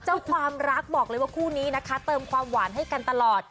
ความรักบอกเลยว่าคู่นี้นะคะเติมความหวานให้กันตลอด